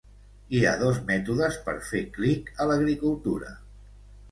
Hi ha dos mètodes per fer clic a l'agricultura.